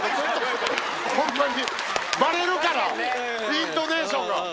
バレるからイントネーションが。